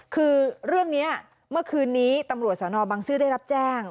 คือเรื่องนี้เมื่อคืนนี้ตำรวจสนบังซื้อได้รับแจ้ง